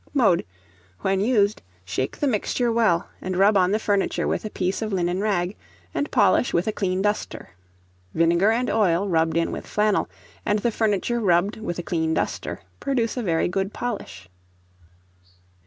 Mode. When used, shake the mixture well, and rub on the furniture with a piece of linen rag, and polish with a clean duster. Vinegar and oil, rubbed in with flannel, and the furniture rubbed with a clean duster, produce a very good polish.